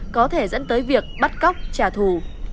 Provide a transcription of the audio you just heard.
có thể dẫn tới việc bắt cóc trả thù